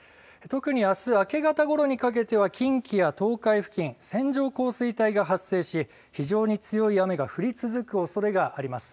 特にあす明け方ごろにかけては、近畿や東海付近、線状降水帯が発生し、非常に強い雨が降り続くおそれがあります。